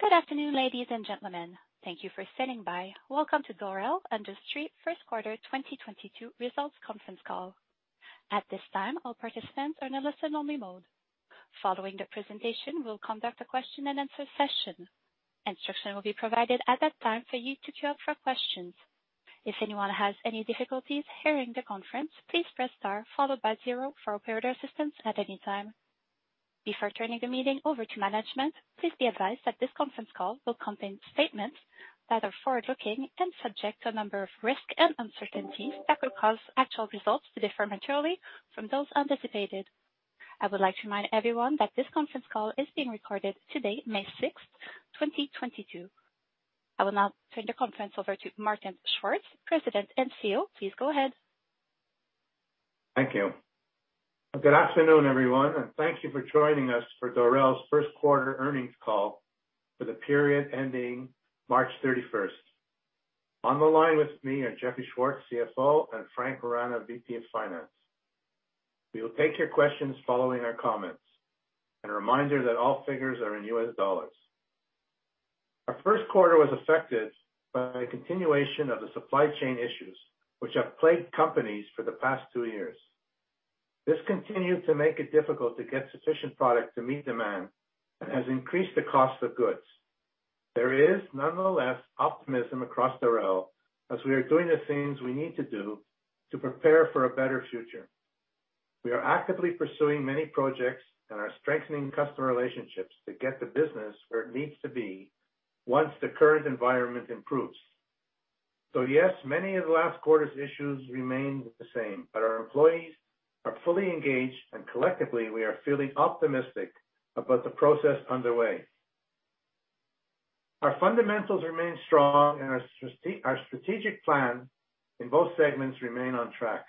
Good afternoon, ladies and gentlemen. Thank you for standing by. Welcome to Dorel Industries First Quarter 2022 Results Conference Call. At this time, all participants are in a listen-only mode. Following the presentation, we'll conduct a question-and-answer session. Instruction will be provided at that time for you to queue up for questions. If anyone has any difficulties hearing the conference, please press star followed by zero for operator assistance at any time. Before turning the meeting over to management, please be advised that this conference call will contain statements that are forward-looking and subject to a number of risks and uncertainties that could cause actual results to differ materially from those anticipated. I would like to remind everyone that this conference call is being recorded today, May 6, 2022. I will now turn the conference over to Martin Schwartz, President and CEO. Please go ahead. Thank you. Good afternoon, everyone, and thank you for joining us for Dorel's first quarter earnings call for the period ending March 31. On the line with me are Jeffrey Schwartz, CFO, and Frank Rana, VP of Finance. We will take your questions following our comments. A reminder that all figures are in U.S. dollars. Our first quarter was affected by a continuation of the supply chain issues which have plagued companies for the past two years. This continued to make it difficult to get sufficient product to meet demand and has increased the cost of goods. There is nonetheless optimism across Dorel as we are doing the things we need to do to prepare for a better future. We are actively pursuing many projects and are strengthening customer relationships to get the business where it needs to be once the current environment improves. Yes, many of the last quarter's issues remain the same, but our employees are fully engaged and collectively we are feeling optimistic about the process underway. Our fundamentals remain strong and our strategic plan in both segments remain on track.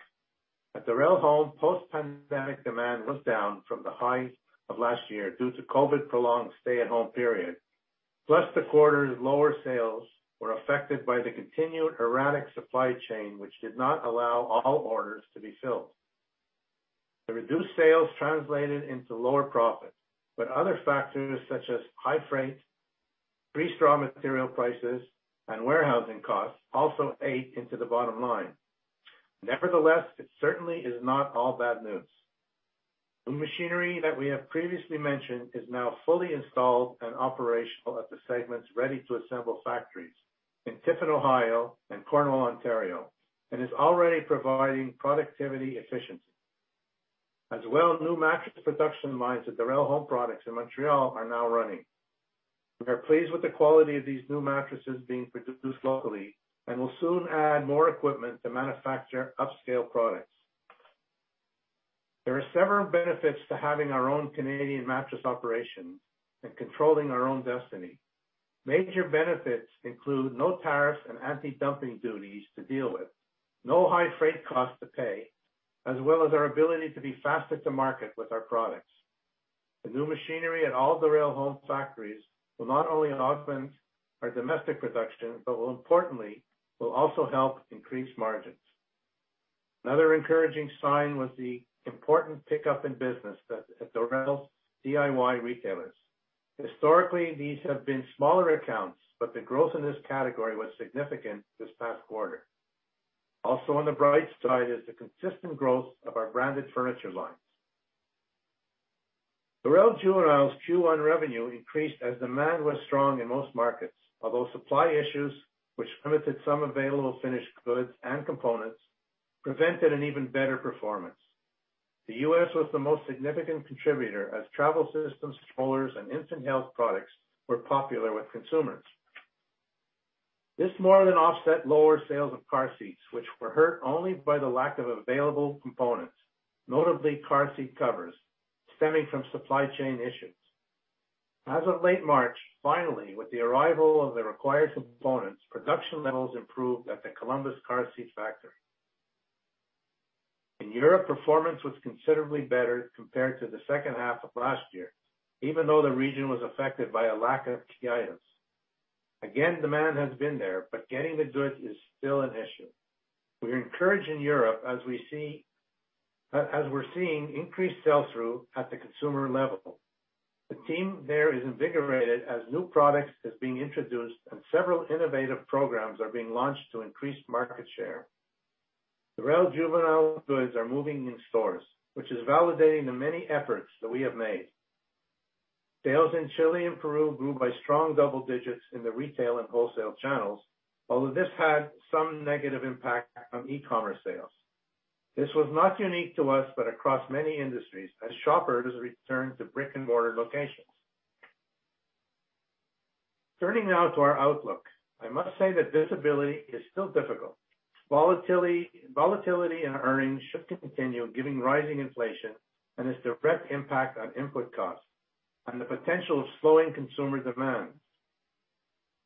At Dorel Home, post-pandemic demand was down from the highs of last year due to COVID prolonged stay-at-home period. Plus the quarter's lower sales were affected by the continued erratic supply chain, which did not allow all orders to be filled. The reduced sales translated into lower profit, but other factors such as high freight, pretty strong material prices, and warehousing costs also ate into the bottom line. Nevertheless, it certainly is not all bad news. The machinery that we have previously mentioned is now fully installed and operational at the segment's ready-to-assemble factories in Tiffin, Ohio, and Cornwall, Ontario, and is already providing productivity efficiency. As well, new mattress production lines at Dorel Home Products in Montreal are now running. We are pleased with the quality of these new mattresses being produced locally and will soon add more equipment to manufacture upscale products. There are several benefits to having our own Canadian mattress operation and controlling our own destiny. Major benefits include no tariffs and anti-dumping duties to deal with, no high freight costs to pay, as well as our ability to be faster to market with our products. The new machinery at all Dorel Home factories will not only augment our domestic production, but will importantly also help increase margins. Another encouraging sign was the important pickup in business at Dorel's DIY retailers. Historically, these have been smaller accounts, but the growth in this category was significant this past quarter. Also on the bright side is the consistent growth of our branded furniture lines. Dorel Juvenile's Q1 revenue increased as demand was strong in most markets, although supply issues, which limited some available finished goods and components, prevented an even better performance. The U.S. was the most significant contributor as travel systems, strollers, and infant health products were popular with consumers. This more than offset lower sales of car seats, which were hurt only by the lack of available components, notably car seat covers, stemming from supply chain issues. As of late March, finally, with the arrival of the required components, production levels improved at the Columbus car seat factory. In Europe, performance was considerably better compared to the second half of last year, even though the region was affected by a lack of key items. Again, demand has been there, but getting the goods is still an issue. We are encouraged in Europe as we're seeing increased sell-through at the consumer level. The team there is invigorated as new products is being introduced and several innovative programs are being launched to increase market share. Dorel Juvenile goods are moving in stores, which is validating the many efforts that we have made. Sales in Chile and Peru grew by strong double digits in the retail and wholesale channels, although this had some negative impact on e-commerce sales. This was not unique to us, but across many industries as shoppers returned to brick-and-mortar locations. Turning now to our outlook. I must say that visibility is still difficult. Volatility in earnings should continue given rising inflation and its direct impact on input costs and the potential of slowing consumer demand.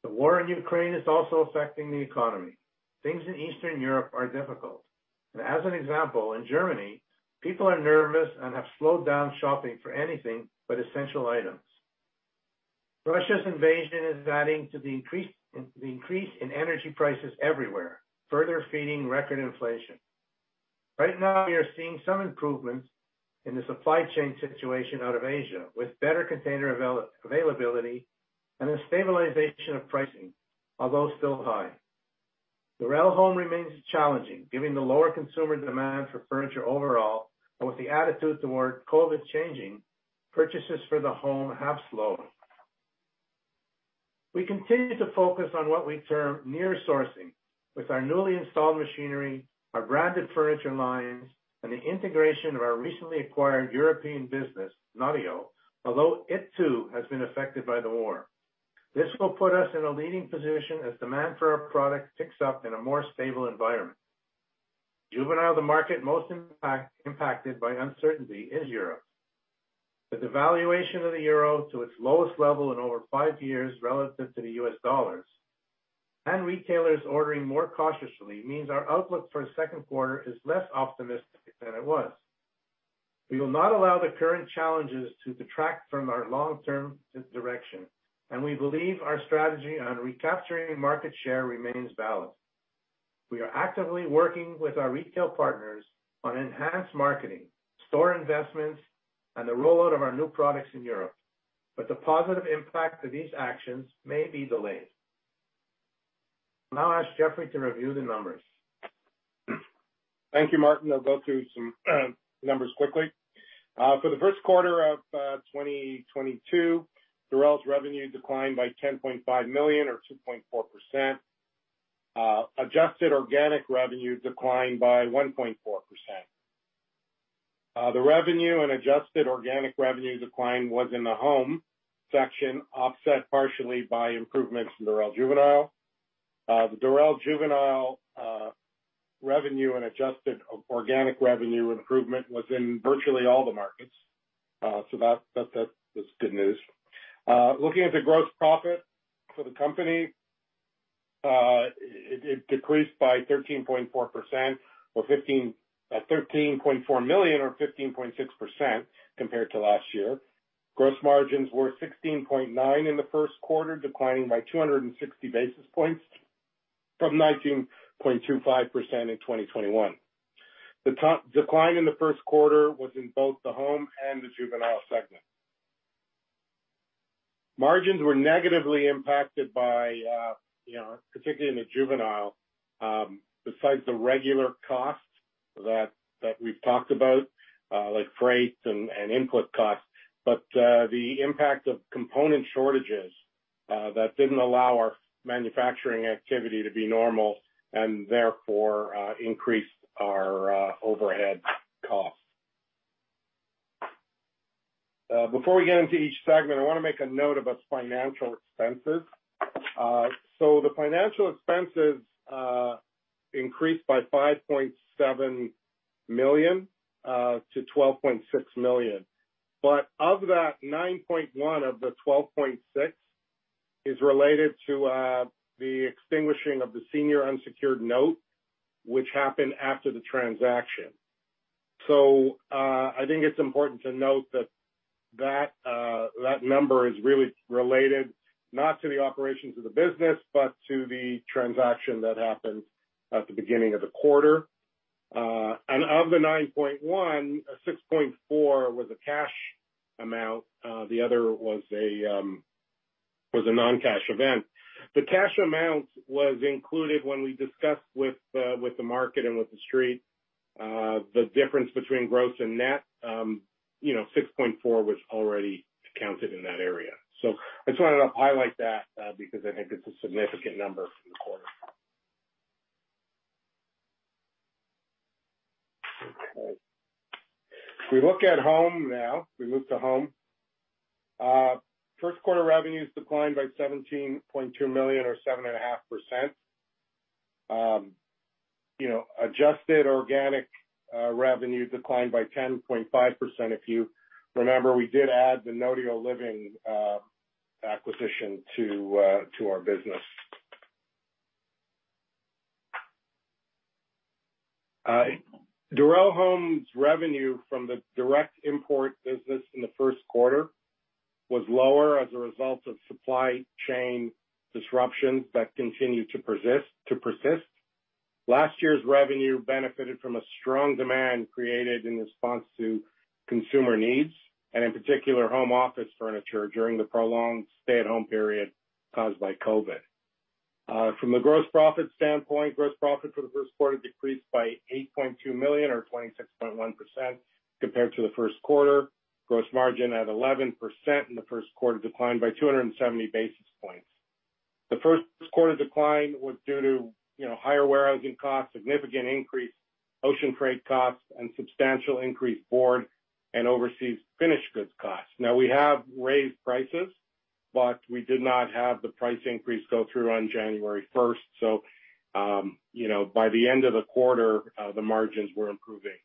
The war in Ukraine is also affecting the economy. Things in Eastern Europe are difficult. As an example, in Germany, people are nervous and have slowed down shopping for anything but essential items. Russia's invasion is adding to the increase in energy prices everywhere, further feeding record inflation. Right now we are seeing some improvements in the supply chain situation out of Asia, with better container availability and a stabilization of pricing, although still high. Dorel Home remains challenging, given the lower consumer demand for furniture overall, and with the attitude toward COVID changing, purchases for the home have slowed. We continue to focus on what we term near sourcing with our newly installed machinery, our branded furniture lines, and the integration of our recently acquired European business, Notio Living, although it too has been affected by the war. This will put us in a leading position as demand for our product picks up in a more stable environment. Juvenile, the market most impacted by uncertainty, is Europe. The devaluation of the euro to its lowest level in over five years relative to the U.S. dollars and retailers ordering more cautiously means our outlook for the second quarter is less optimistic than it was. We will not allow the current challenges to detract from our long-term direction, and we believe our strategy on recapturing market share remains valid. We are actively working with our retail partners on enhanced marketing, store investments, and the rollout of our new products in Europe. The positive impact of these actions may be delayed. I'll now ask Jeffrey to review the numbers. Thank you, Martin. I'll go through some numbers quickly. For the first quarter of 2022, Dorel's revenue declined by $10.5 million or 2.4%. Adjusted organic revenue declined by 1.4%. The revenue and adjusted organic revenue decline was in the home section, offset partially by improvements in Dorel Juvenile. The Dorel Juvenile revenue and adjusted organic revenue improvement was in virtually all the markets, so that was good news. Looking at the gross profit for the company, it decreased by $13.4 million or 15.6% compared to last year. Gross margins were 16.9% in the first quarter, declining by 260 basis points from 19.25% in 2021. The top decline in the first quarter was in both the home and the juvenile segment. Margins were negatively impacted by, particularly in the juvenile, besides the regular costs that we've talked about, like freight and input costs, but the impact of component shortages that didn't allow our manufacturing activity to be normal and therefore increased our overhead costs. Before we get into each segment, I wanna make a note of its financial expenses. The financial expenses increased by $5.7 million-$12.6 million. Of that, $9.1 of the $12.6 is related to the extinguishing of the senior unsecured note, which happened after the transaction. I think it's important to note that number is really related not to the operations of the business, but to the transaction that happened at the beginning of the quarter. Of the $9.1, $6.4 was a cash amount, the other was a non-cash event. The cash amount was included when we discussed with the market and with the street, the difference between gross and net. You know, $6.4 was already accounted in that area. I just wanted to highlight that, because I think it's a significant number for the quarter. Okay. If we look at home now, we move to home. First quarter revenues declined by $17.2 million or 7.5%. You know, adjusted organic revenue declined by 10.5%. If you remember, we did add the Notio Living acquisition to our business. Dorel Home revenue from the direct import business in the first quarter was lower as a result of supply chain disruptions that continued to persist. Last year's revenue benefited from a strong demand created in response to consumer needs and in particular, home office furniture during the prolonged stay-at-home period caused by COVID. From the gross profit standpoint, gross profit for the first quarter decreased by $8.2 million or 26.1% compared to the first quarter. Gross margin at 11% in the first quarter declined by 270 basis points. The first quarter decline was due to, you know, higher warehousing costs, significant increase in ocean freight costs, and substantial increases in particleboard and overseas finished goods costs. Now, we have raised prices, but we did not have the price increase go through on January first. You know, by the end of the quarter, the margins were improving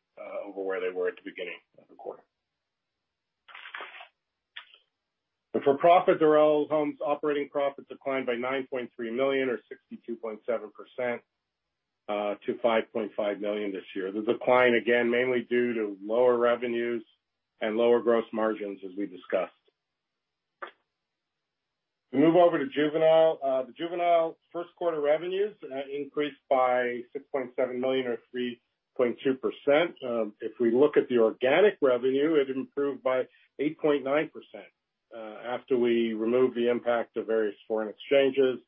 over where they were at the beginning of the quarter. Operating profit for Dorel Home declined by $9.3 million or 62.7% to $5.5 million this year. The decline, again, mainly due to lower revenues and lower gross margins, as we discussed. We move over to Dorel Juvenile. The Dorel Juvenile first quarter revenues increased by $6.7 million or 3.2%. If we look at the organic revenue, it improved by 8.9%, after we removed the impact of various foreign exchanges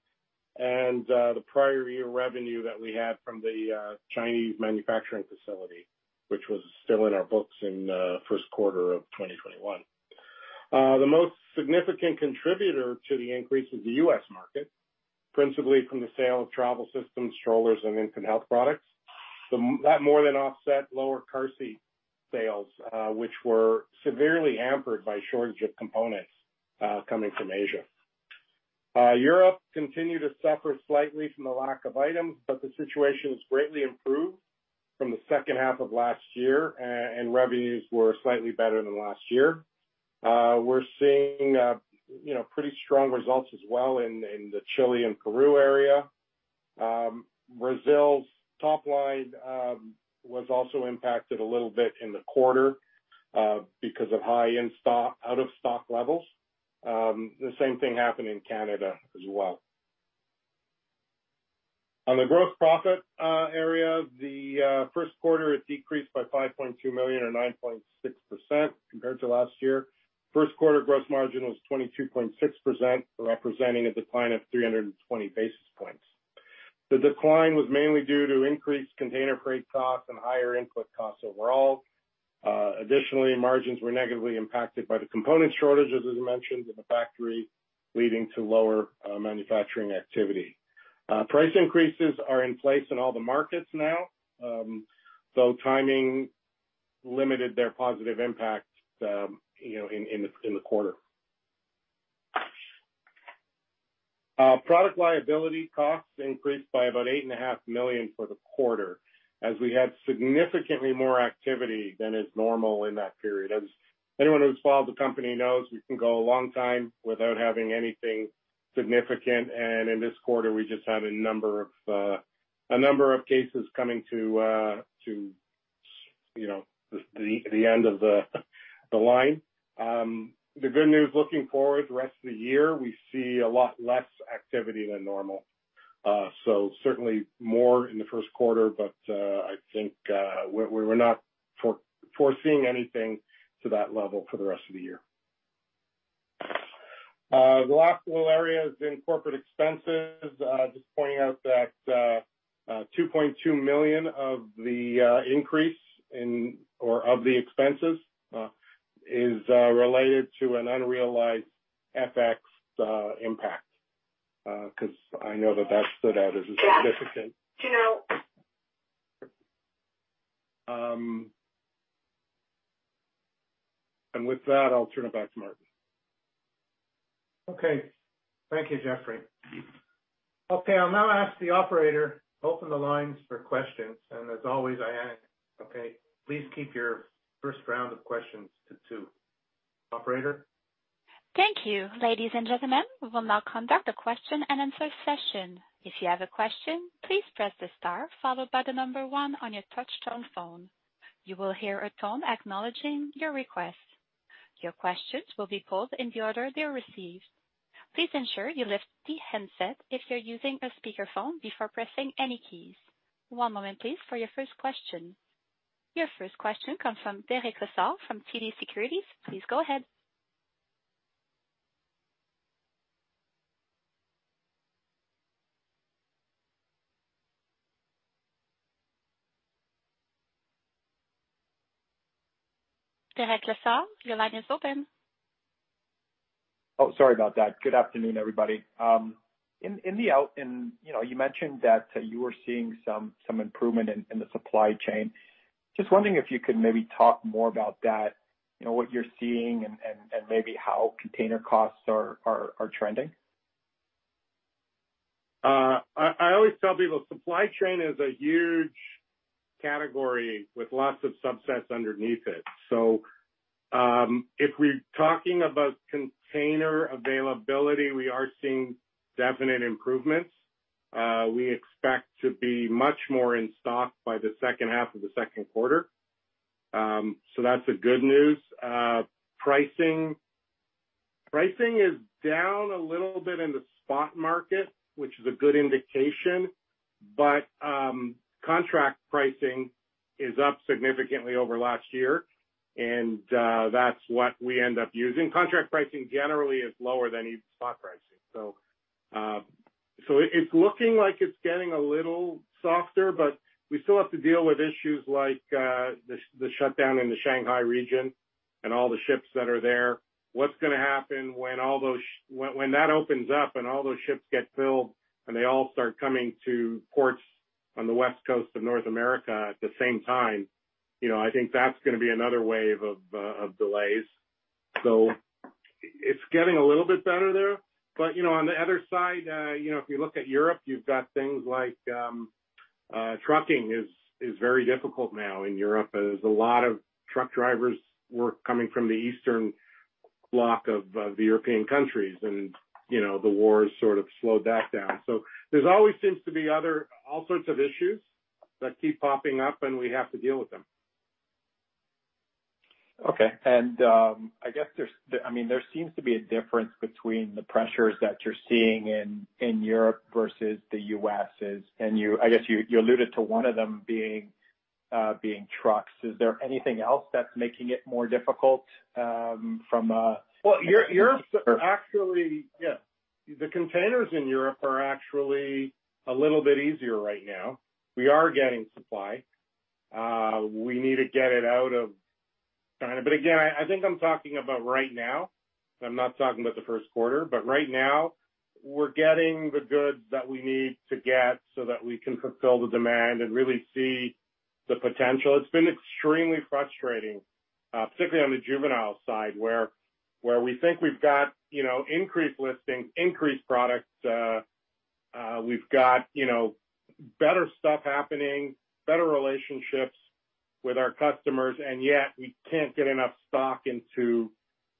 and the prior year revenue that we had from the Chinese manufacturing facility, which was still in our books in first quarter of 2021. The most significant contributor to the increase is the U.S. market, principally from the sale of travel systems, strollers, and infant health products. That more than offset lower car seat sales, which were severely hampered by shortage of components coming from Asia. Europe continued to suffer slightly from the lack of items, but the situation has greatly improved from the second half of last year, and revenues were slightly better than last year. We're seeing you know, pretty strong results as well in the Chile and Peru area. Brazil's top line was also impacted a little bit in the quarter because of high out-of-stock levels. The same thing happened in Canada as well. On the gross profit area, the first quarter, it decreased by $5.2 million or 9.6% compared to last year. First quarter gross margin was 22.6%, representing a decline of 320 basis points. The decline was mainly due to increased container freight costs and higher input costs overall. Additionally, margins were negatively impacted by the component shortage, as was mentioned, in the factory, leading to lower manufacturing activity. Price increases are in place in all the markets now, though timing limited their positive impact, you know, in the quarter. Product liability costs increased by about $8.5 million for the quarter as we had significantly more activity than is normal in that period. As anyone who's followed the company knows, we can go a long time without having anything significant. In this quarter, we just had a number of cases coming to, you know, the end of the line. The good news looking forward the rest of the year, we see a lot less activity than normal. So certainly more in the first quarter, but I think we're not foreseeing anything to that level for the rest of the year. The last little area is in corporate expenses. Just pointing out that $2.2 million of the increase in, or of the expenses is related to an unrealized FX impact 'cause I know that stood out as a significant. With that, I'll turn it back to Martin. Okay. Thank you, Jeffrey. Okay, I'll now ask the operator to open the lines for questions. As always, I ask, okay, please keep your first round of questions to two. Operator? Thank you. Ladies and gentlemen, we will now conduct a question-and-answer session. If you have a question, please press the star followed by the number one on your touchtone phone. You will hear a tone acknowledging your request. Your questions will be pulled in the order they are received. Please ensure you lift the handset if you're using a speakerphone before pressing any keys. One moment please for your first question. Your first question comes from Derek Lessard from TD Securities. Please go ahead. Derek Lessard, your line is open. Oh, sorry about that. Good afternoon, everybody. In, you know, you mentioned that you were seeing some improvement in the supply chain. Just wondering if you could maybe talk more about that, you know, what you're seeing and maybe how container costs are trending? I always tell people supply chain is a huge category with lots of subsets underneath it. If we're talking about container availability, we are seeing definite improvements. We expect to be much more in stock by the second half of the second quarter. That's the good news. Pricing. Pricing is down a little bit in the spot market, which is a good indication, but contract pricing is up significantly over last year, and that's what we end up using. Contract pricing generally is lower than spot pricing. It's looking like it's getting a little softer, but we still have to deal with issues like the shutdown in the Shanghai region and all the ships that are there. What's gonna happen when that opens up and all those ships get filled and they all start coming to ports on the West Coast of North America at the same time? You know, I think that's gonna be another wave of delays. It's getting a little bit better there. You know, on the other side, you know, if you look at Europe, you've got things like, trucking is very difficult now in Europe. There's a lot of truck drivers were coming from the eastern bloc of the European countries and, you know, the war has sort of slowed that down. There's always seems to be all sorts of issues that keep popping up, and we have to deal with them. Okay. I mean, there seems to be a difference between the pressures that you're seeing in Europe versus the US. I guess you alluded to one of them being trucks. Is there anything else that's making it more difficult from a- Yeah, the containers in Europe are actually a little bit easier right now. We are getting supply. We need to get it out of China. But again, I think I'm talking about right now, I'm not talking about the first quarter. But right now we're getting the goods that we need to get so that we can fulfill the demand and really see the potential. It's been extremely frustrating, particularly on the juvenile side, where we think we've got, you know, increased listings, increased products, we've got, you know, better stuff happening, better relationships with our customers, and yet we can't get enough stock into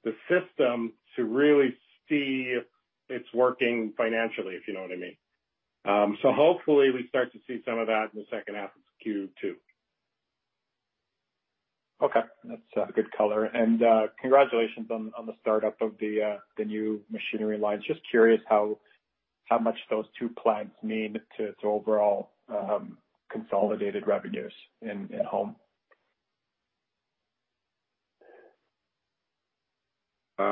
the system to really see if it's working financially, if you know what I mean. Hopefully we start to see some of that in the second half of Q2. Okay. That's good color. Congratulations on the startup of the new machinery lines. Just curious how much those two plants mean to overall consolidated revenues in home. Let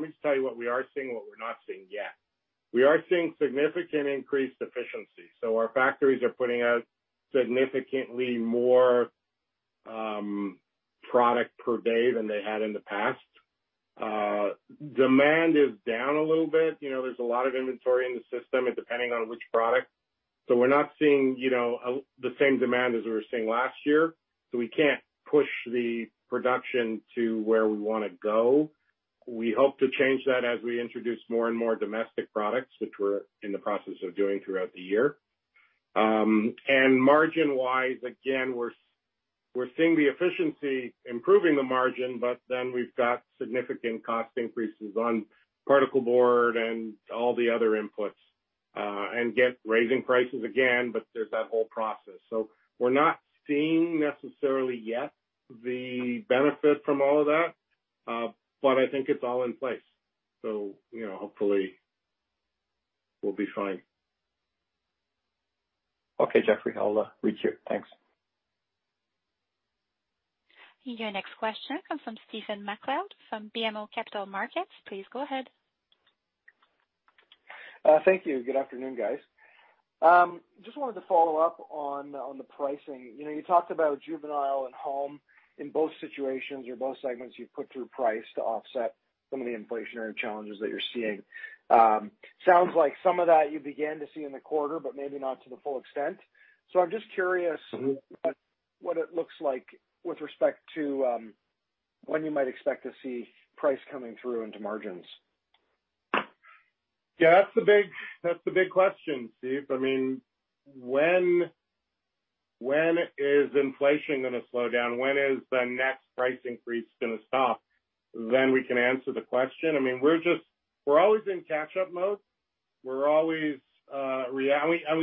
me just tell you what we are seeing and what we're not seeing yet. We are seeing significant increased efficiency, so our factories are putting out significantly more product per day than they had in the past. Demand is down a little bit. You know, there's a lot of inventory in the system, and depending on which product. We're not seeing, you know, the same demand as we were seeing last year, so we can't push the production to where we wanna go. We hope to change that as we introduce more and more domestic products, which we're in the process of doing throughout the year. Margin-wise, again, we're seeing the efficiency improving the margin, but then we've got significant cost increases on particleboard and all the other inputs, and raising prices again, but there's that whole process. We're not seeing necessarily yet the benefit from all of that, but I think it's all in place. You know, hopefully we'll be fine. Okay, Jeffrey, I'll requeue. Thanks. Your next question comes from Stephen MacLeod from BMO Capital Markets. Please go ahead. Thank you. Good afternoon, guys. Just wanted to follow up on the pricing. You know, you talked about juvenile and home in both situations or both segments you put through price to offset some of the inflationary challenges that you're seeing. Sounds like some of that you began to see in the quarter but maybe not to the full extent. I'm just curious. Mm-hmm. What it looks like with respect to when you might expect to see price coming through into margins. Yeah, that's the big question, Steve. I mean, when is inflation gonna slow down? When is the next price increase gonna stop? Then we can answer the question. I mean, we're always in catch-up mode. We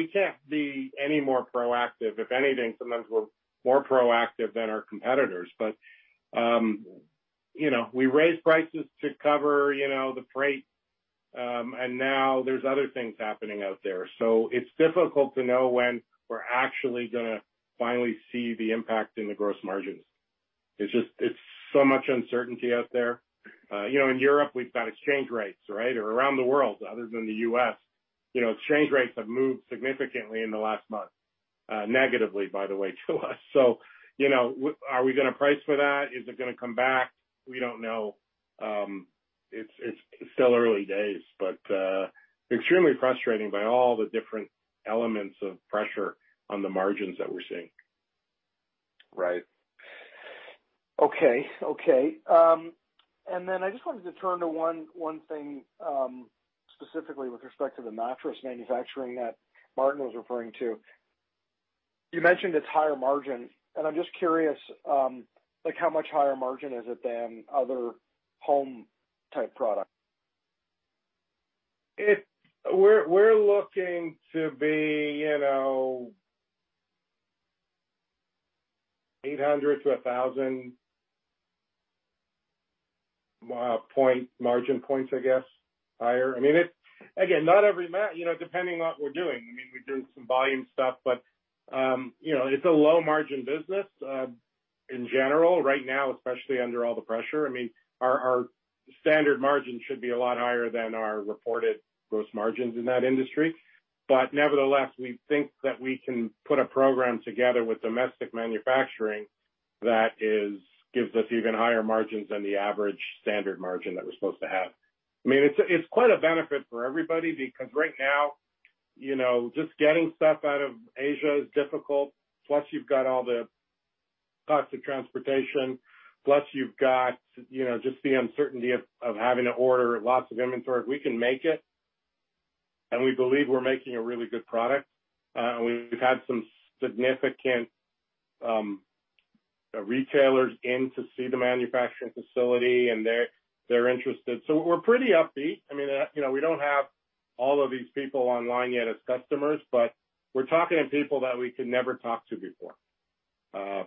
can't be any more proactive. If anything, sometimes we're more proactive than our competitors. You know, we raise prices to cover, you know, the freight and now there's other things happening out there. It's difficult to know when we're actually gonna finally see the impact in the gross margins. It's just so much uncertainty out there. You know, in Europe we've got exchange rates, right? Or around the world other than the U.S., you know, exchange rates have moved significantly in the last month, negatively, by the way, to us. You know, are we gonna price for that? Is it gonna come back? We don't know. It's still early days, but extremely frustrating by all the different elements of pressure on the margins that we're seeing. Right. Okay. I just wanted to turn to one thing, specifically with respect to the mattress manufacturing that Martin was referring to. You mentioned it's higher margin, and I'm just curious, like how much higher margin is it than other home-type products. We're looking to be, you know, 800-1,000 point margin points, I guess, higher. I mean, again, not every. You know, depending on what we're doing. I mean, we're doing some volume stuff, but you know, it's a low-margin business in general right now, especially under all the pressure. I mean, our standard margin should be a lot higher than our reported gross margins in that industry. Nevertheless, we think that we can put a program together with domestic manufacturing that gives us even higher margins than the average standard margin that we're supposed to have. I mean, it's quite a benefit for everybody because right now, you know, just getting stuff out of Asia is difficult. Plus you've got all the costs of transportation, plus you've got, you know, just the uncertainty of having to order lots of inventory. We can make it, and we believe we're making a really good product. We've had some significant retailers in to see the manufacturing facility, and they're interested. We're pretty upbeat. I mean, you know, we don't have all of these people online yet as customers, but we're talking to people that we could never talk to before,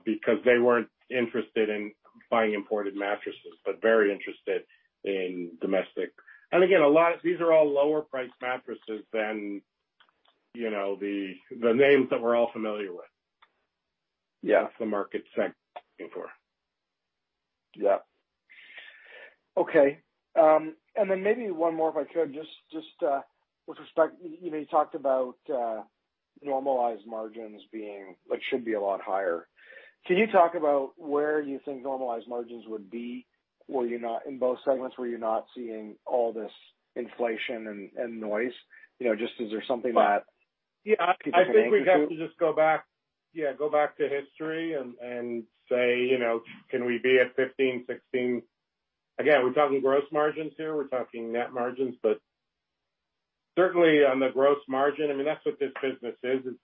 because they weren't interested in buying imported mattresses, but very interested in domestic. Again, a lot of these are all lower priced mattresses than, you know, the names that we're all familiar with. Yeah. That's the market segment for. Yeah. Okay. Maybe one more, if I could, just with respect, you know, you talked about normalized margins being. Like, should be a lot higher. Can you talk about where you think normalized margins would be in both segments were you not seeing all this inflation and noise? You know, just is there something that Yeah. I think we'd have to just go back, yeah, go back to history and say, you know, can we be at 15%-16%? Again, we're talking gross margins here, we're talking net margins. Certainly on the gross margin, I mean, that's what this business is.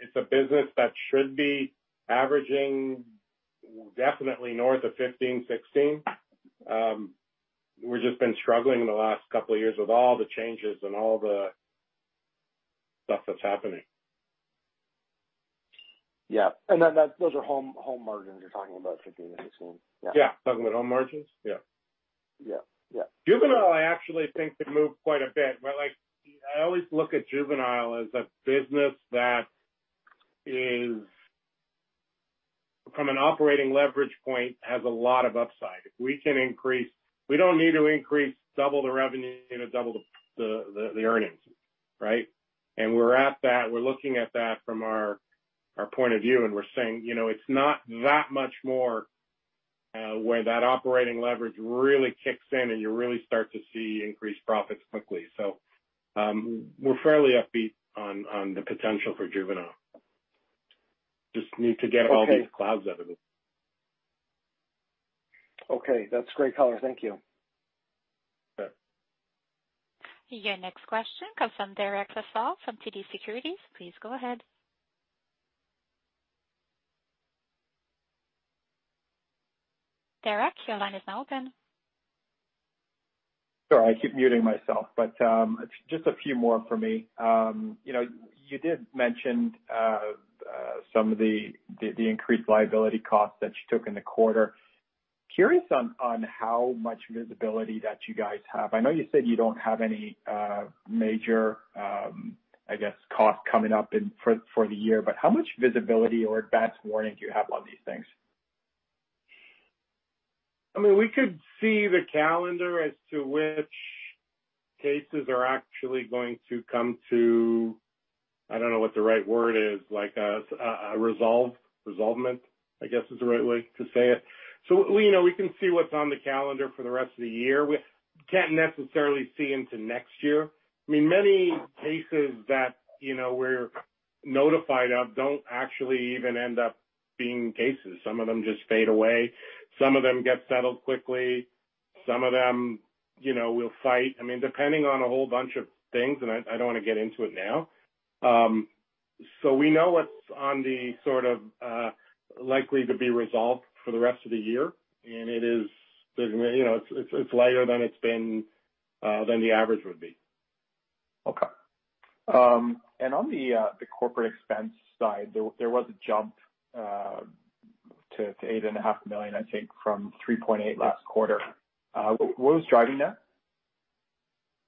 It's a business that should be averaging definitely north of 15%-16%. We've just been struggling in the last couple of years with all the changes and all the stuff that's happening. Yeah. Those are home margins you're talking about, 15%-16%. Yeah. Yeah. Talking about home margins? Yeah. Yeah, yeah. Juvenile, I actually think could move quite a bit. Like I always look at Juvenile as a business that is, from an operating leverage point, has a lot of upside. We don't need to increase, double the revenue to double the earnings, right? We're at that. We're looking at that from our point of view, and we're saying, you know, it's not that much more, where that operating leverage really kicks in and you really start to see increased profits quickly. We're fairly upbeat on the potential for Juvenile. Just need to get all these clouds out of it. Okay. That's great color. Thank you. Sure. Your next question comes from Derek Lessard from TD Securities. Please go ahead. Derek, your line is now open. Sorry, I keep muting myself. Just a few more from me. You know, you did mention some of the increased liability costs that you took in the quarter. Curious on how much visibility that you guys have. I know you said you don't have any major, I guess, costs coming up for the year. How much visibility or advance warning do you have on these things? I mean, we could see the calendar as to which cases are actually going to come to, I don't know what the right word is, like a resolution, I guess is the right way to say it. You know, we can see what's on the calendar for the rest of the year. We can't necessarily see into next year. I mean, many cases that, you know, we're notified of don't actually even end up being cases. Some of them just fade away. Some of them get settled quickly. Some of them, you know, we'll fight. I mean, depending on a whole bunch of things, and I don't wanna get into it now. We know what's on the sort of likely to be resolved for the rest of the year. You know, it's lighter than it's been than the average would be. Okay. On the corporate expense side, there was a jump to $8.5 million, I think, from $3.8 million last quarter. What was driving that?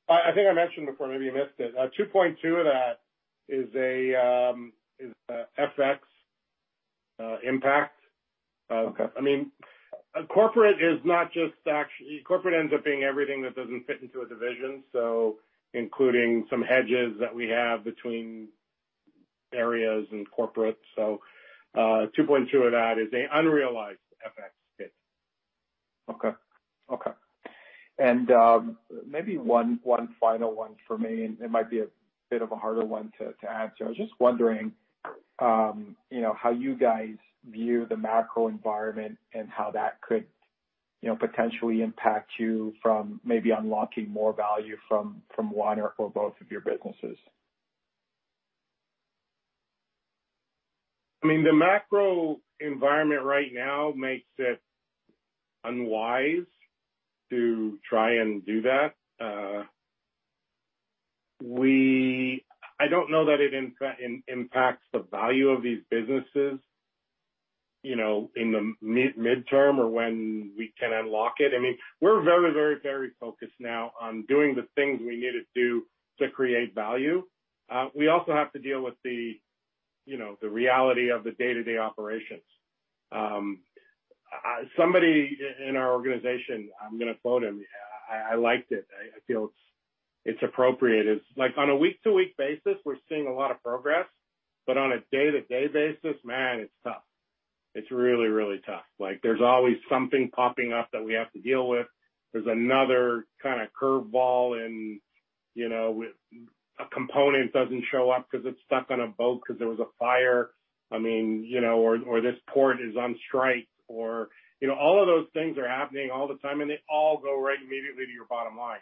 I think I mentioned before, maybe you missed it. 2.2 of that is FX impact. Okay. I mean, corporate is not just Corporate ends up being everything that doesn't fit into a division, so including some hedges that we have between areas and corporate. $2.2 of that is an unrealized FX hit. Okay. Maybe one final one for me. It might be a bit of a harder one to answer. I was just wondering, you know, how you guys view the macro environment and how that could, you know, potentially impact you from maybe unlocking more value from one or both of your businesses. I mean, the macro environment right now makes it unwise to try and do that. I don't know that it impacts the value of these businesses, you know, in the mid-term or when we can unlock it. I mean, we're very focused now on doing the things we need to do to create value. We also have to deal with the, you know, the reality of the day-to-day operations. Somebody in our organization, I'm gonna quote him. I liked it. I feel it's appropriate. It's like on a week-to-week basis, we're seeing a lot of progress, but on a day-to-day basis, man, it's tough. It's really tough. Like, there's always something popping up that we have to deal with. There's another kinda curve ball and, you know, a component doesn't show up 'cause it's stuck on a boat 'cause there was a fire. I mean, you know, or this port is on strike or. You know, all of those things are happening all the time, and they all go right immediately to your bottom line.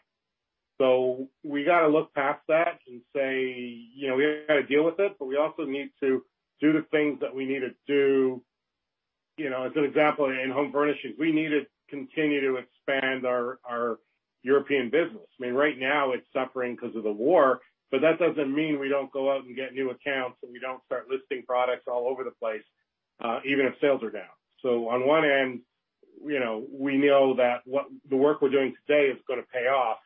We gotta look past that and say, you know, we gotta deal with it, but we also need to do the things that we need to do. You know, as an example, in Home Furnishings, we need to continue to expand our European business. I mean, right now it's suffering 'cause of the war, but that doesn't mean we don't go out and get new accounts and we don't start listing products all over the place, even if sales are down. On one end, you know, we know that the work we're doing today is gonna pay off,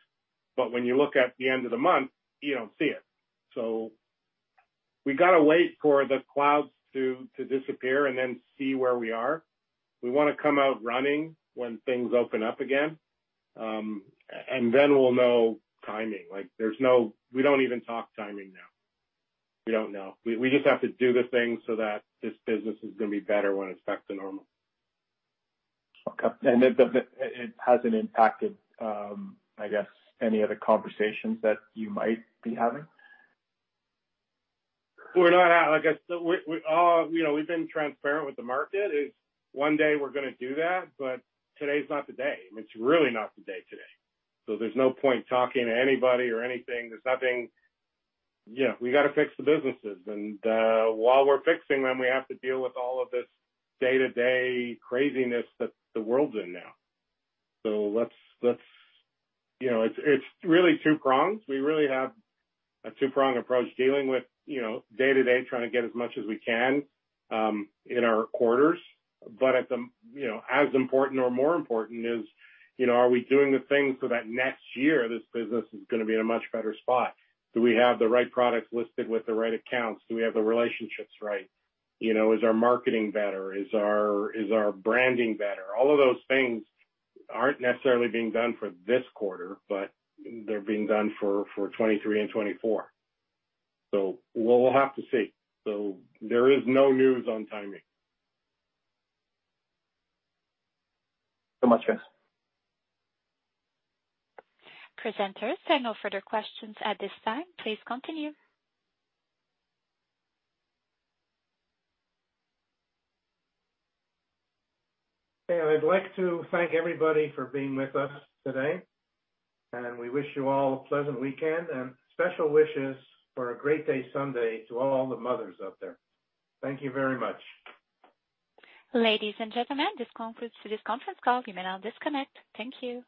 but when you look at the end of the month, you don't see it. We gotta wait for the clouds to disappear and then see where we are. We wanna come out running when things open up again, and then we'll know timing. Like, there's no. We don't even talk timing now. We don't know. We just have to do the things so that this business is gonna be better when it's back to normal. Okay. It hasn't impacted, I guess, any other conversations that you might be having? We're not out. I guess we all. You know, we've been transparent with the market, is one day we're gonna do that, but today's not the day. I mean, it's really not the day today. There's no point talking to anybody or anything. There's nothing. Yeah, we gotta fix the businesses. While we're fixing them, we have to deal with all of this day-to-day craziness that the world's in now. Let's. You know, it's really two prongs. We really have a two-prong approach dealing with, you know, day to day trying to get as much as we can in our quarters. At the. You know, as important or more important is, you know, are we doing the things so that next year this business is gonna be in a much better spot? Do we have the right products listed with the right accounts? Do we have the relationships right? You know, is our marketing better? Is our branding better? All of those things aren't necessarily being done for this quarter, but they're being done for 2023 and 2024. We'll have to see. There is no news on timing. Thank you so much guys. Presenters, there are no further questions at this time. Please continue. Hey, I'd like to thank everybody for being with us today, and we wish you all a pleasant weekend and special wishes for a great day Sunday to all the mothers out there. Thank you very much. Ladies and gentlemen, this concludes today's conference call. You may now disconnect. Thank you.